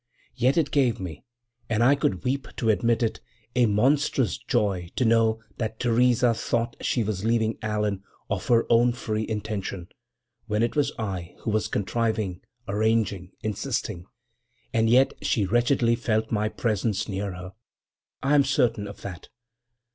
Yet it gave me, and I could weep to admit it, a monstrous joy to know that Theresa thought she was leaving Allan of her own free intention, when it was I who was contriving, arranging, insisting.... And yet she wretchedly felt my presence near her; I am certain of that.